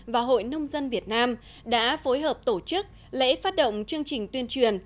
và hội nông dân việt nam đã phối hợp tổ chức lễ phát động chương trình tuyên truyền